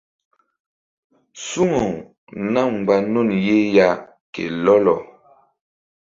Suŋaw nam mgba nun ye ya ke lɔlɔ.